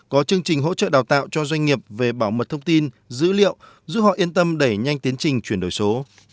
có chương trình hỗ trợ đào tạo cho doanh nghiệp về bảo mật thông tin dữ liệu giúp họ yên tâm đẩy nhanh tiến trình chuyển đổi số